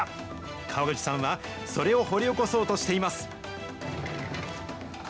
川口さんはそれを掘り起こそうとしています。